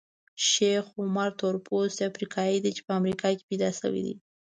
شیخ عمر تورپوستی افریقایي دی چې په امریکا کې پیدا شوی دی.